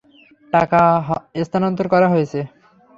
টাকা স্থানান্তর করা হয়েছে।